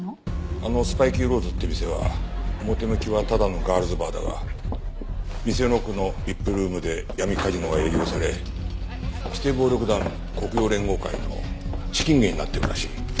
あのスパイキーローズって店は表向きはただのガールズバーだが店の奥のＶＩＰルームで闇カジノが営業され指定暴力団黒洋連合会の資金源になっているらしい。